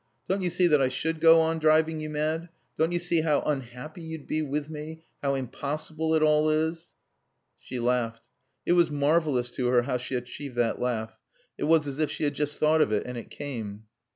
Don't you see that I should go on driving you mad? Don't you see how unhappy you'd be with me, how impossible it all is?" She laughed. It was marvelous to her how she achieved that laugh. It was as if she had just thought of it and it came.